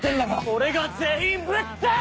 「俺が全員ぶっ倒す！」